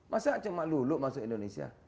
masa cuma lulu masuk indonesia